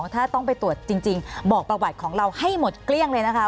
ถ้าต้องไปตรวจจริงบอกประวัติของเราให้หมดเกลี้ยงเลยนะคะ